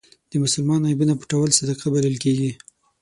د مسلمان عیبونه پټول صدقه بلل کېږي.